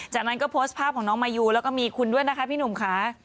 จากนั้นก็โพสต์ภาพของน้องมายูแล้วก็มีคุณด้วยนะคะพี่หนุ่มค่ะ